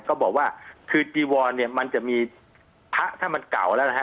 ก็บอกว่าคือจีวรเนี่ยมันจะมีพระถ้ามันเก่าแล้วนะฮะ